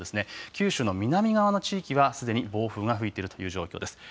九州の南側の地域は、すでに暴風が吹いているという状況です。